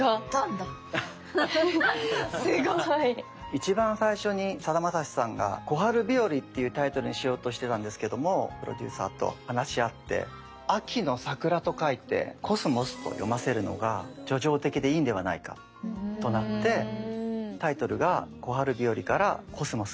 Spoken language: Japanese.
一番最初にさだまさしさんが「小春日和」っていうタイトルにしようとしてたんですけどもプロデューサーと話し合って秋の桜と書いて「コスモス」と読ませるのが叙情的でいいんではないかとなってタイトルが「小春日和」から「秋桜」になりました。